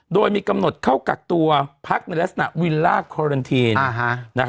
โดยมีกำหนดเข้ากักตัวพักในลักษณะวิลล่าคอเรนทีน